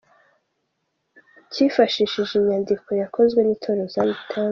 rw cyifashishije inyandiko yakozwe n’Itorero Zion Temple.